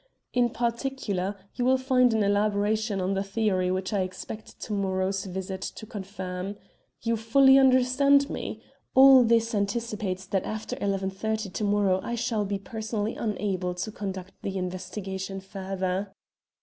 In particular, you will find an elaboration of the theory which I expect to morrow's visit to confirm. You fully understand me? All this anticipates that after 11.30 to morrow I shall be personally unable to conduct the investigation further."